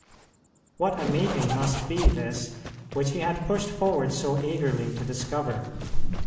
What a meeting must be this, which he had pushed forward so eagerly to discover!